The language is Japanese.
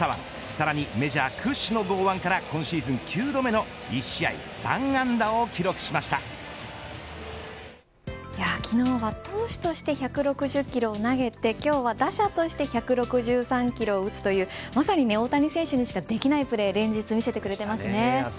さらにメジャー屈指の剛腕から今シーズン９度目の１試合３安打を昨日は投手として１６０キロを投げて今日は打者として１６３キロを打つというまさに大谷選手にしかできないプレーを連日見せてくれてますね。